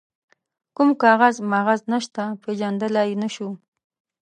کوم کاغذ ماغذ نشته، پيژندلای يې نه شو.